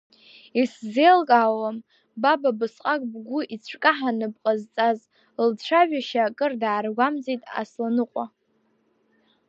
Исзеилкаауам баб абысҟак бгәы ицәкаҳаны бҟазҵаз, лцәажәашьа акыр дааргәамҵит Асланыҟәа.